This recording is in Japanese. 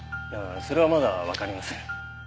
それはまだわかりません。